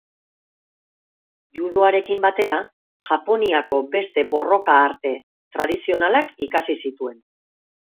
Judoarekin batera, Japoniako beste borroka-arte tradizionalak ikasi zituen.